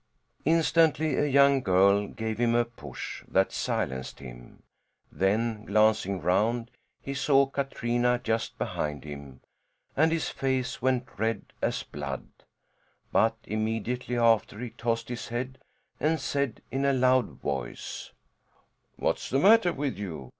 Instantly a young girl gave him a push that silenced him, then, glancing round, he saw Katrina just behind him and his face went red as blood; but immediately after he tossed his head, and said in a loud voice: "What's the matter with you?